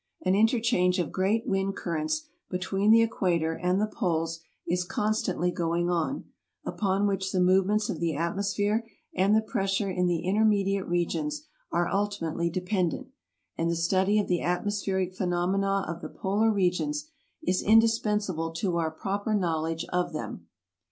An interchange of great wind currents between the equator and the poles is constantly going on, upon which the movements of the at mosphere and the pressure in the intermediate regions are ultimately dependent, and the study of the atmospheric phenomena of the polar regions is indispensable to our proper knowledge of them.